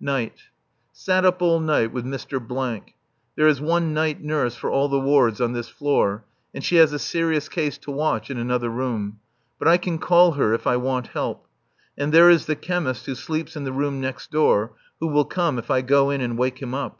[Night.] Sat up all night with Mr. . There is one night nurse for all the wards on this floor, and she has a serious case to watch in another room. But I can call her if I want help. And there is the chemist who sleeps in the room next door, who will come if I go in and wake him up.